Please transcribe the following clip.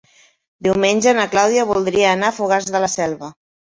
Diumenge na Clàudia voldria anar a Fogars de la Selva.